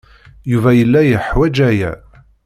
Yuba yella yeḥwaj aya.